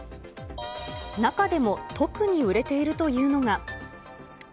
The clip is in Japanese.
中でも特に売れているというのが。